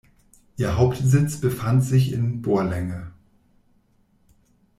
Ihr Hauptsitz befand sich in Borlänge.